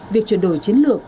việc chuyển đổi chiến lược